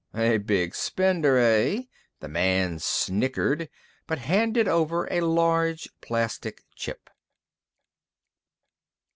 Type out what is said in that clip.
"A big spender, eh?" The man snickered, but handed over a large plastic chip.